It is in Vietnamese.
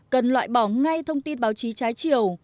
cần loại bỏ ngay thông tin báo chí trái chiều